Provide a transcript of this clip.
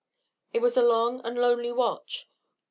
It was a long and lonely watch.